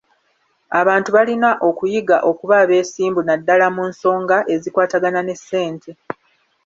Abantu balina okuyiga okuba abeesimbu naddaala mu nsonga ezikwatagana ne ssente.